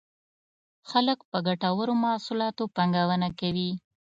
خلک په ګټورو محصولاتو پانګونه کوي.